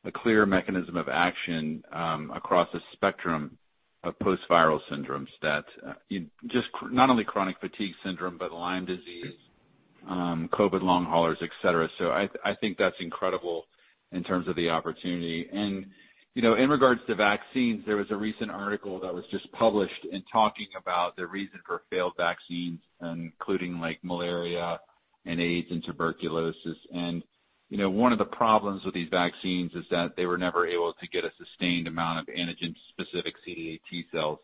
a clear mechanism of action across a spectrum of post-viral syndromes that just not only chronic fatigue syndrome, but Lyme disease, COVID-19 long haulers, et cetera. I think that's incredible in terms of the opportunity. In regards to vaccines, there was a recent article that was just published in talking about the reason for failed vaccines, including malaria, and AIDS, and tuberculosis. One of the problems with these vaccines is that they were never able to get a sustained amount of antigen specific CD8 T cells.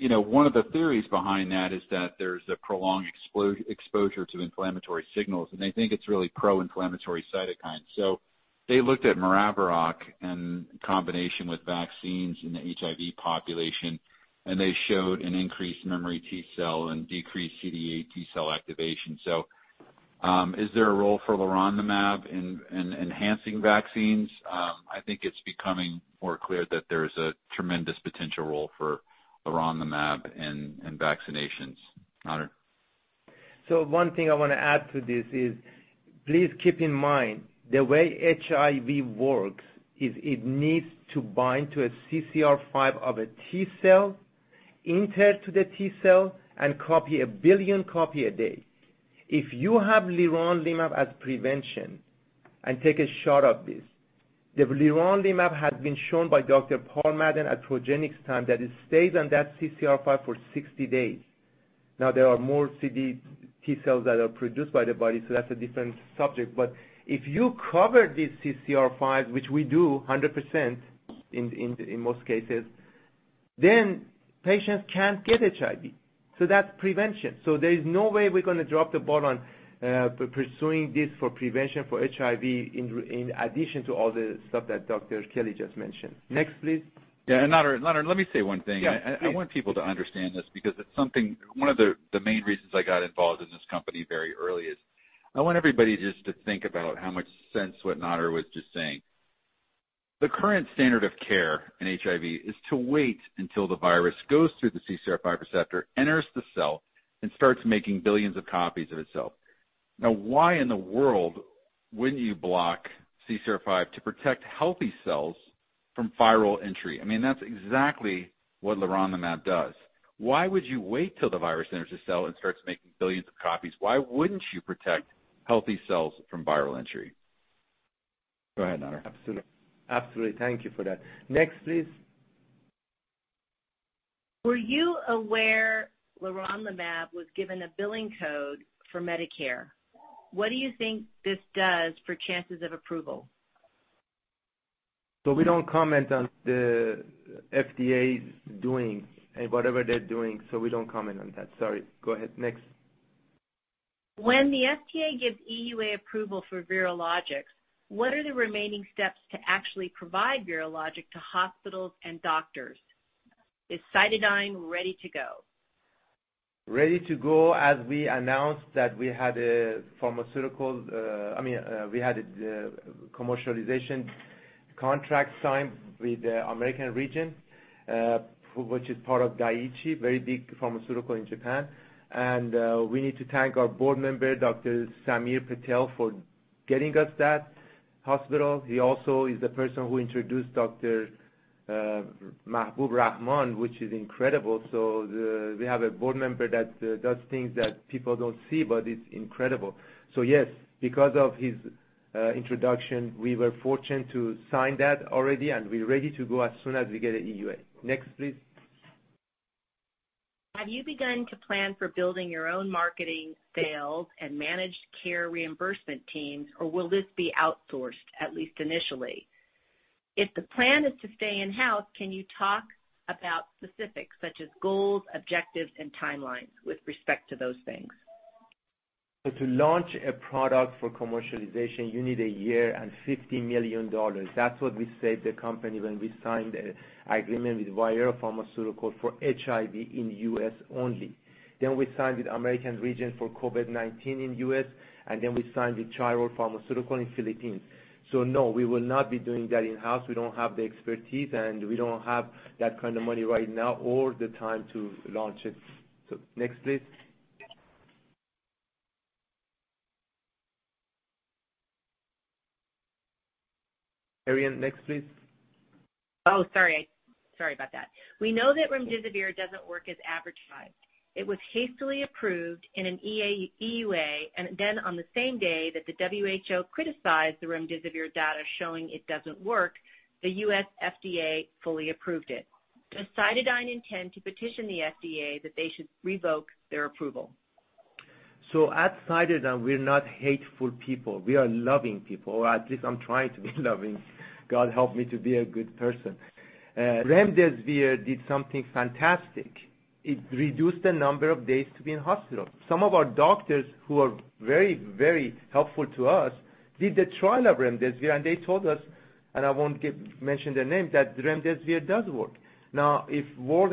One of the theories behind that is that there's a prolonged exposure to inflammatory signals, and they think it's really pro-inflammatory cytokines. They looked at maraviroc in combination with vaccines in the HIV population, and they showed an increased memory T cell and decreased CD8 T cell activation. Is there a role for leronlimab in enhancing vaccines? I think it's becoming more clear that there's a tremendous potential role for leronlimab in vaccinations. Nader. One thing I want to add to this is, please keep in mind the way HIV works is it needs to bind to a CCR5 of a T cell, enter to the T cell and copy a billion copy a day. If you have leronlimab as prevention and take a shot of this, the leronlimab has been shown by Dr. Paul Maddon at Progenics time that it stays on that CCR5 for 60 days. There are more CD T cells that are produced by the body, so that's a different subject. If you cover these CCR5, which we do 100% in most cases, then patients can't get HIV. That's prevention. There's no way we're going to drop the ball on pursuing this for prevention for HIV in addition to all the stuff that Dr. Kelly just mentioned. Next, please. Yeah. Nader, let me say one thing. Yeah, please. I want people to understand this because it's one of the main reasons I got involved in this company very early is I want everybody just to think about how much sense what Nader was just saying. The current standard of care in HIV is to wait until the virus goes through the CCR5 receptor, enters the cell, and starts making billions of copies of itself. Now, why in the world wouldn't you block CCR5 to protect healthy cells from viral entry? I mean, that's exactly what leronlimab does. Why would you wait till the virus enters the cell and starts making billions of copies? Why wouldn't you protect healthy cells from viral entry? Go ahead, Nader. Absolutely. Thank you for that. Next, please. Were you aware leronlimab was given a billing code for Medicare? What do you think this does for chances of approval? We don't comment on the FDA's doings and whatever they're doing. We don't comment on that. Sorry. Go ahead. Next. When the FDA gives EUA approval for Vyrologix, what are the remaining steps to actually provide Vyrologix to hospitals and doctors? Is CytoDyn ready to go? Ready to go as we announced that we had a commercialization contract signed with American Regent, which is part of Daiichi, very big pharmaceutical in Japan. We need to thank our board member, Dr. Samir Patel, for getting us that hospital. He also is the person who introduced Dr. Mahbub Rahman, which is incredible. We have a board member that does things that people don't see, but it's incredible. Yes, because of his introduction, we were fortunate to sign that already, and we're ready to go as soon as we get an EUA. Next, please. Have you begun to plan for building your own marketing, sales, and managed care reimbursement teams, or will this be outsourced, at least initially? If the plan is to stay in-house, can you talk about specifics such as goals, objectives, and timelines with respect to those things? To launch a product for commercialization, you need a year and $50 million. That's what we saved the company when we signed an agreement with ViiV Healthcare pharmaceutical for HIV in U.S. only. We signed with American Regent for COVID-19 in U.S., and then we signed with Chiral Pharmaceutical in Philippines. No, we will not be doing that in-house. We don't have the expertise, and we don't have that kind of money right now or the time to launch it. Next, please. Ariane, next, please. Oh, sorry. Sorry about that. We know that remdesivir doesn't work as advertised. It was hastily approved in an EUA, and then on the same day that the WHO criticized the remdesivir data showing it doesn't work, the U.S. FDA fully approved it. Does CytoDyn intend to petition the FDA that they should revoke their approval? At CytoDyn, we're not hateful people. We are loving people, or at least I'm trying to be loving. God help me to be a good person. remdesivir did something fantastic. It reduced the number of days to be in hospital. Some of our doctors who are very, very helpful to us did the trial of remdesivir, and they told us, and I won't mention their names, that remdesivir does work. If World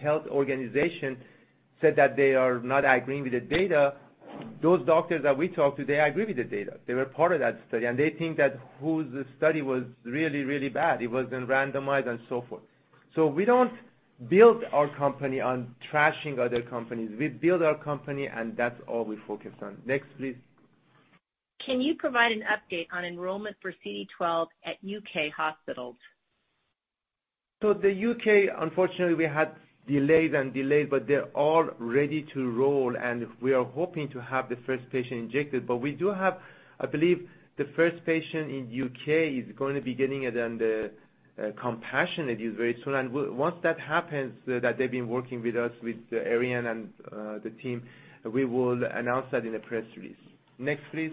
Health Organization said that they are not agreeing with the data. Those doctors that we talk to, they agree with the data. They were part of that study, and they think that WHO's study was really, really bad. It wasn't randomized and so forth. We don't build our company on trashing other companies. We build our company, and that's all we focus on. Next, please. Can you provide an update on enrollment for CD12 at U.K. hospitals? The U.K., unfortunately, we had delays and delays, but they're all ready to roll, and we are hoping to have the first patient injected. But we do have, I believe the first patient in U.K. is going to be getting it under compassionate use very soon. Once that happens, that they've been working with us, with Arian and the team, we will announce that in a press release. Next, please.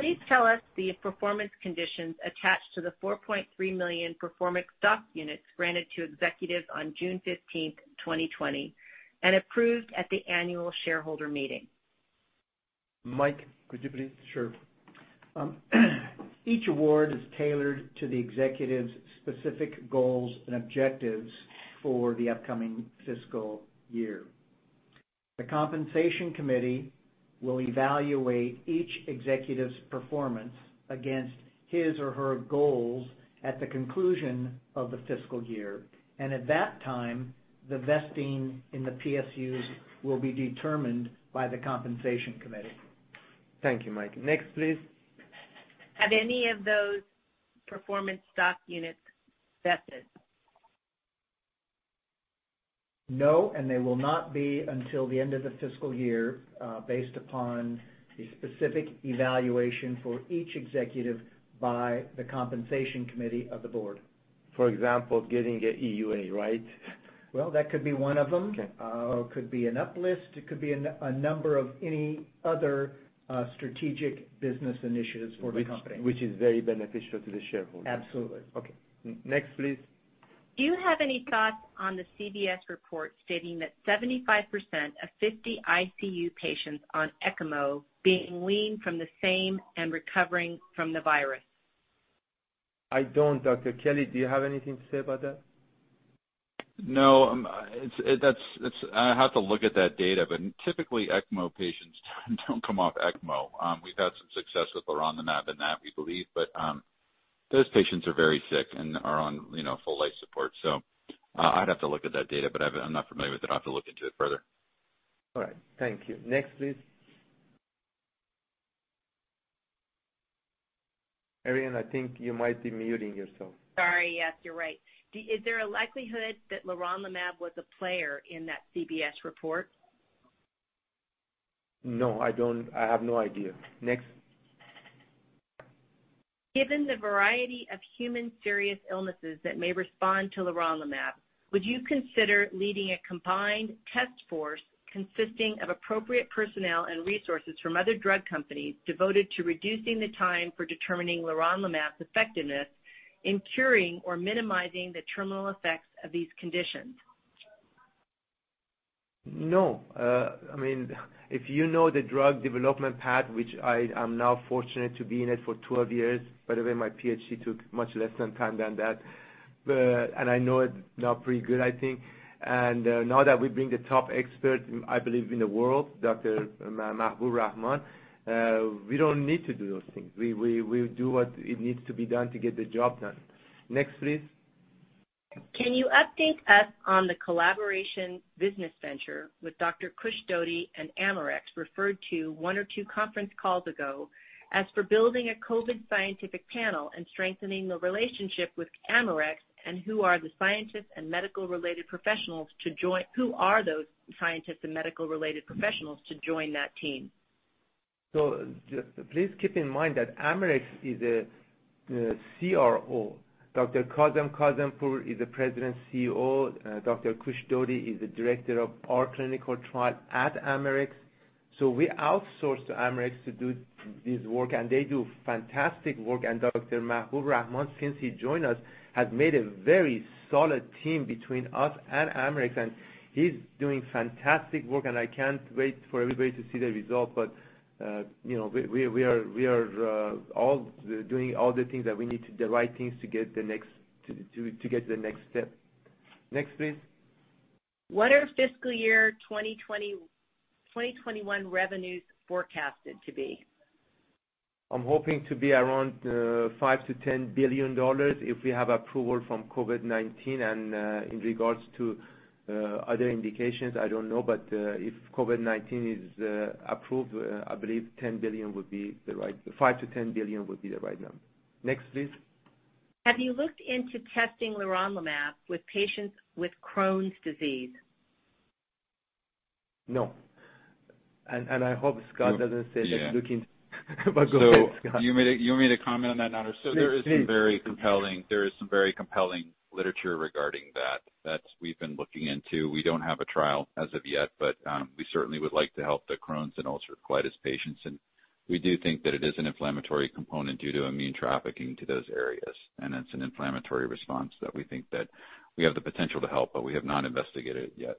Please tell us the performance conditions attached to the 4.3 million performance stock units granted to executives on June 15th, 2020 and approved at the annual shareholder meeting. Mike, could you please? Sure. Each award is tailored to the executive's specific goals and objectives for the upcoming fiscal year. The Compensation Committee will evaluate each executive's performance against his or her goals at the conclusion of the fiscal year, and at that time, the vesting in the PSUs will be determined by the Compensation Committee. Thank you, Mike. Next, please. Have any of those performance stock units vested? No. They will not be until the end of the fiscal year, based upon the specific evaluation for each executive by the Compensation Committee of the board. For example, getting an EUA, right? Well, that could be one of them. Okay. It could be an uplist, it could be a number of any other strategic business initiatives for the company. Which is very beneficial to the shareholders. Absolutely. Okay. Next, please. Do you have any thoughts on the CBS report stating that 75% of 50 ICU patients on ECMO being weaned from the same and recovering from the virus? I don't. Dr. Kelly, do you have anything to say about that? No. I'd have to look at that data, but typically, ECMO patients don't come off ECMO. We've had some success with leronlimab in that, we believe. Those patients are very sick and are on full life support. I'd have to look at that data, but I'm not familiar with it. I'd have to look into it further. All right. Thank you. Next, please. Arian, I think you might be muting yourself. Sorry. Yes, you're right. Is there a likelihood that leronlimab was a player in that CBS report? No, I have no idea. Next. Given the variety of human serious illnesses that may respond to leronlimab, would you consider leading a combined test force consisting of appropriate personnel and resources from other drug companies devoted to reducing the time for determining leronlimab's effectiveness in curing or minimizing the terminal effects of these conditions? No. If you know the drug development path, which I am now fortunate to be in it for 12 years. By the way, my PhD took much less in time than that. I know it now pretty good, I think. Now that we bring the top expert, I believe in the world, Dr. Mahbub Rahman, we don't need to do those things. We'll do what needs to be done to get the job done. Next, please. Can you update us on the collaboration business venture with Dr. Kush Dhody and Amarex, referred to one or two conference calls ago, as for building a COVID scientific panel and strengthening the relationship with Amarex, and who are the scientists and medical-related professionals to join that team? Please keep in mind that Amarex is a CRO. Dr. Kazem Kazempour is the President CEO. Dr. Kush Dhody is the director of our clinical trial at Amarex. We outsource to Amarex to do this work, and they do fantastic work. Dr. Mahbub Rahman, since he joined us, has made a very solid team between us and Amarex, and he's doing fantastic work, and I can't wait for everybody to see the result. We are doing all the things that we need to, the right things to get to the next step. Next, please. What are fiscal year 2021 revenues forecasted to be? I'm hoping to be around $5 billion-$10 billion if we have approval from COVID-19. In regards to other indications, I don't know. If COVID-19 is approved, I believe $5 billion-$10 billion would be the right number. Next, please. Have you looked into testing leronlimab with patients with Crohn's disease? No. I hope Scott doesn't say they're looking. Go ahead, Scott. You want me to comment on that, Nader? Please. There is some very compelling literature regarding that we've been looking into. We don't have a trial as of yet, but we certainly would like to help the Crohn's and ulcerative colitis patients, and we do think that it is an inflammatory component due to immune trafficking to those areas, and it's an inflammatory response that we think that we have the potential to help, but we have not investigated it yet.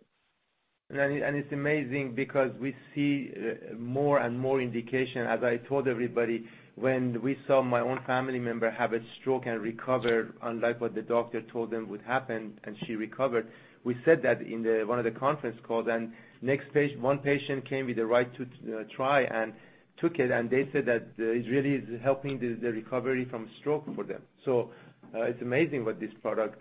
It's amazing because we see more and more indication, as I told everybody, when we saw my own family member have a stroke and recover unlike what the doctor told them would happen, and she recovered. We said that in one of the conference calls, and one patient came with the Right to Try and took it, and they said that it really is helping the recovery from stroke for them. It's amazing what this product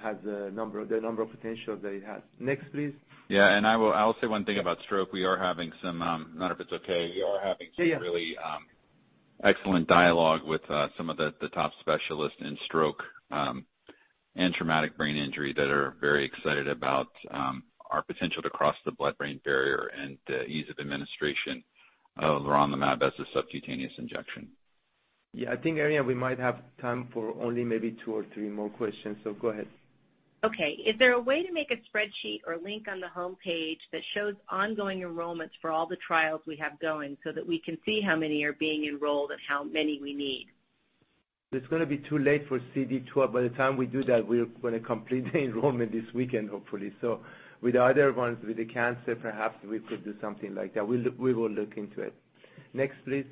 has the number of potential that it has. Next, please. Yeah. I will say one thing about stroke. We are having some, I don't know if it's okay, we are having- Yeah some really excellent dialogue with some of the top specialists in stroke and traumatic brain injury that are very excited about our potential to cross the blood-brain barrier and the ease of administration of leronlimab as a subcutaneous injection. Yeah, I think, Arian, we might have time for only maybe two or three more questions. Go ahead. Okay. Is there a way to make a spreadsheet or link on the homepage that shows ongoing enrollments for all the trials we have going so that we can see how many are being enrolled and how many we need? It's going to be too late for CD12. By the time we do that, we're going to complete the enrollment this weekend, hopefully. With the other ones, with the cancer, perhaps we could do something like that. We will look into it. Next, please.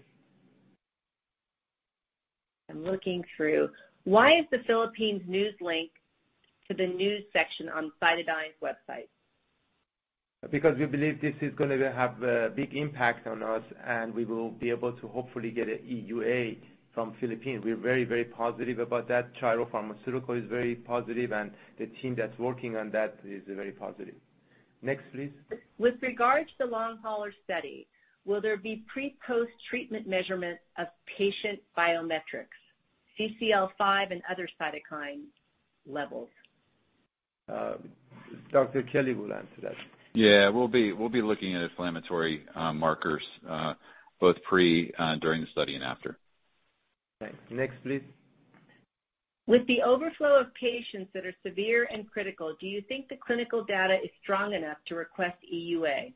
I'm looking through. Why is the Philippines news link to the news section on CytoDyn's website? Because we believe this is going to have a big impact on us, and we will be able to hopefully get an EUA from Philippines. We're very, very positive about that. Chiral Pharma is very positive, and the team that's working on that is very positive. Next, please. With regards to long hauler study, will there be pre/post-treatment measurements of patient biometrics, CCL5, and other cytokine levels? Dr. Kelly will answer that. Yeah. We'll be looking at inflammatory markers both pre during the study and after. Okay. Next, please. With the overflow of patients that are severe and critical, do you think the clinical data is strong enough to request EUA?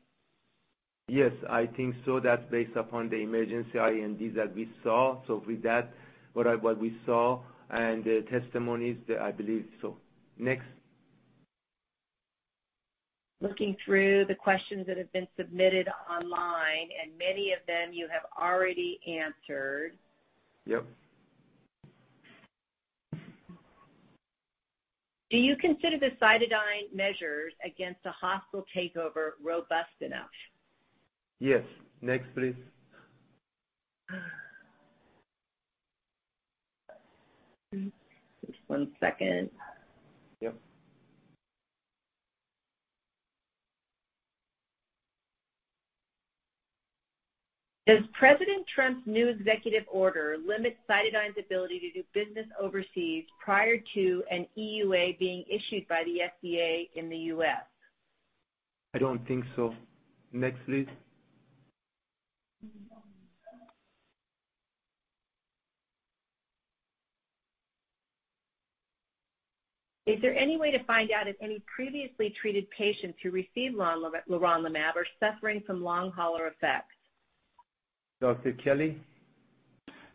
Yes, I think so. That's based upon the emergency IND that we saw. With that, what we saw and the testimonies, I believe so. Next. Looking through the questions that have been submitted online, and many of them you have already answered. Yep. Do you consider the CytoDyn measures against a hostile takeover robust enough? Yes. Next, please. Just one second. Yep. Does President Trump's new executive order limit CytoDyn's ability to do business overseas prior to an EUA being issued by the FDA in the U.S.? I don't think so. Next, please. Is there any way to find out if any previously treated patients who received leronlimab are suffering from long hauler effects? Dr. Kelly.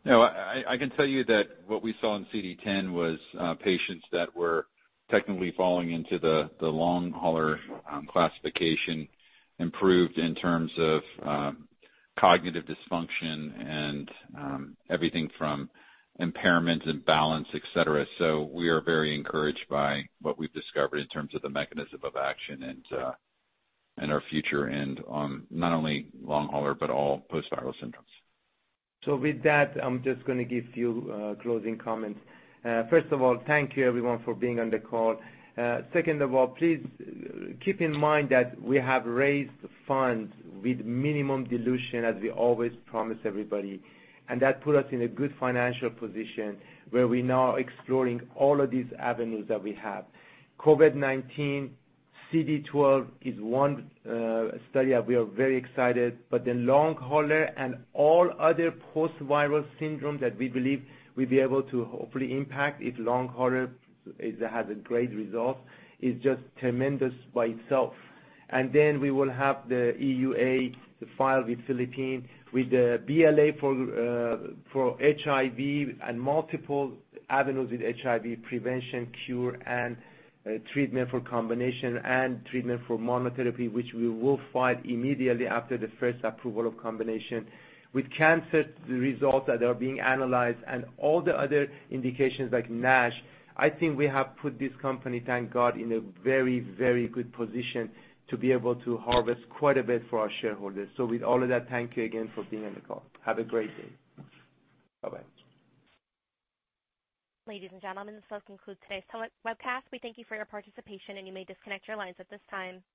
I can tell you that what we saw in CD10 was patients that were technically falling into the long hauler classification improved in terms of cognitive dysfunction and everything from impairment and balance, et cetera. We are very encouraged by what we've discovered in terms of the mechanism of action and our future and on not only long hauler, but all post-viral syndromes. With that, I'm just going to give few closing comments. First of all, thank you everyone for being on the call. Second of all, please keep in mind that we have raised funds with minimum dilution, as we always promise everybody, and that put us in a good financial position where we now exploring all of these avenues that we have. COVID-19 CD12 is one study that we are very excited, but the long hauler and all other post-viral syndrome that we believe we'll be able to hopefully impact if long hauler has a great result, is just tremendous by itself. We will have the EUA file with Philippines, with the BLA for HIV and multiple avenues with HIV prevention, cure, and treatment for combination and treatment for monotherapy, which we will file immediately after the first approval of combination. With cancer, the results that are being analyzed and all the other indications like NASH, I think we have put this company, thank God, in a very, very good position to be able to harvest quite a bit for our shareholders. With all of that, thank you again for being on the call. Have a great day. Bye-bye. Ladies and gentlemen, this does conclude today's tele webcast. We thank you for your participation, you may disconnect your lines at this time.